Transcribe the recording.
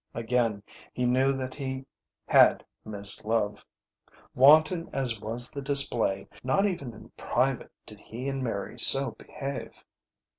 Again he knew that he had missed love. Wanton as was the display, not even in private did he and Mary so behave.